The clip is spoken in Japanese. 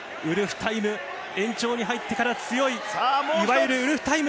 延長に入ってから強いいわゆるウルフタイム。